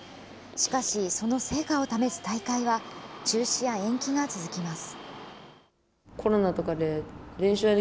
しかし、その成果を試す大会は中止や延期が続きます。